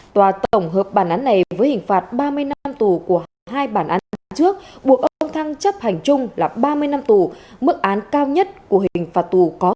tòa tổng hợp bản án này với hình phạt ba mươi năm năm tù của hai bản án trước buộc ông thăng chấp hành chung là ba mươi năm tù mức án cao nhất của hình phạt tù